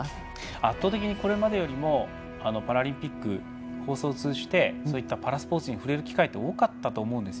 圧倒的にこれまでよりもパラリンピック放送を通じてパラスポーツに触れる機会って多かったと思います。